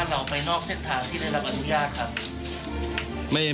เราไปนอกเส้นทางที่ได้รับอนุญาตครับ